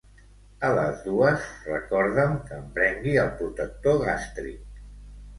A les dues recorda'm que em prengui el protector gàstric.